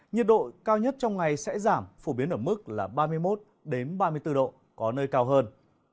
nhiệt độ cao nhất trong ngày sẽ giảm phổ biến ở mức ba mươi một ba mươi bốn độ có nơi cao hơn